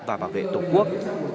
và bảo vệ tổng quốc